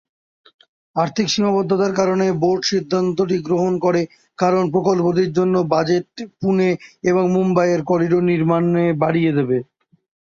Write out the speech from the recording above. আর্থিক সীমাবদ্ধতার কারণে বোর্ড সিদ্ধান্তটি গ্রহণ করে, কারণ প্রকল্পটির জন্য বাজেট পুণে এবং মুম্বাইয়ের করিডোর নির্মানে বাড়িয়ে দেবে।